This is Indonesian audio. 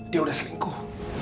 dia udah selingkuh